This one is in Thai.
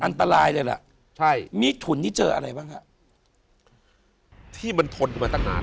อันตรายเลยล่ะใช่มีถุนที่เจออะไรบ้างฮะที่มันทนมาตั้งนาน